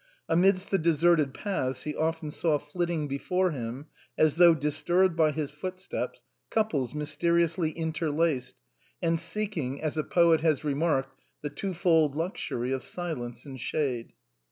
Amidst the deserted paths he often saw flitting before him, as though disturbed by his footsteps, couples mysteriously interlaced, and seeking, as a poet has remarked, the two fold luxury of silence and shade.